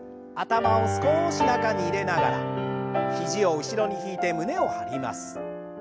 頭を少し中に入れながら肘を後ろに引いて胸を張ります。